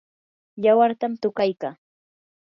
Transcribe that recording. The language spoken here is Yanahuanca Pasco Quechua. yawartam tuqaykaa.